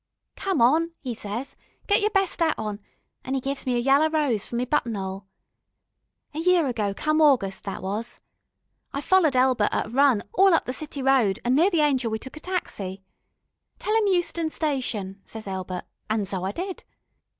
'Come on,' 'e ses, 'get yer best 'at on,' an' 'e gives me a yaller rose, for me button 'ole. A year ago come August, thet was. I follered Elbert at a run all up the City Road, an' near the Angel we took a taxi. 'Tell 'im Euston Station,' ses Elbert, an' so I did.